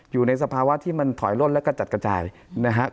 อยู่ในสภาวะที่มันถอยล่นและกระจัดกระจายนะครับ